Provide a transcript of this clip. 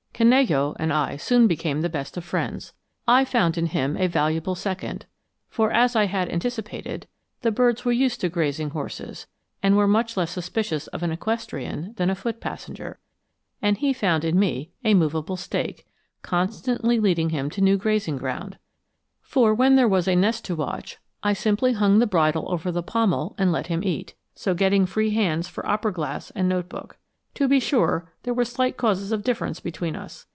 Canello and I soon became the best of friends. I found in him a valuable second for, as I had anticipated, the birds were used to grazing horses, and were much less suspicious of an equestrian than a foot passenger and he found in me a movable stake, constantly leading him to new grazing ground; for when there was a nest to watch I simply hung the bridle over the pommel and let him eat, so getting free hands for opera glass and note book. To be sure, there were slight causes of difference between us.